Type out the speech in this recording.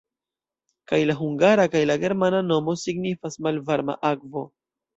Kaj la hungara kaj la germana nomo signifas "malvarma akvo".